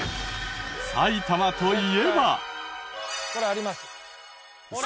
埼玉と言えば？